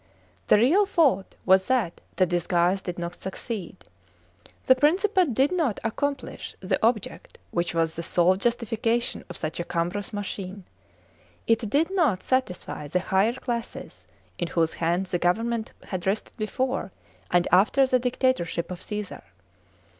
The real fault WHS that the disguise did not succeed. The Principate did not accomplish the object which was the sole justification of such a cumbrous machine. It did not satisfy the higher classes, in whose hands the government had rested before and after the dictatorship of Cassar.